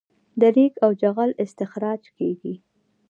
د ریګ او جغل استخراج کیږي